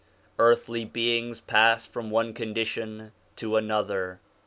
Earthly beings pass from one condition to another.